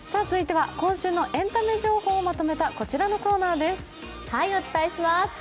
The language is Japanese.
続いては今週のエンタメ情報をまとめたこちらのコーナーです。